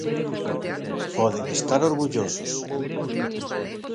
¡Poden estar orgullosos!